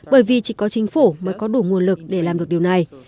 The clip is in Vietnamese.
bởi vì chỉ có chính phủ mới có đủ nguồn lực để làm được điều này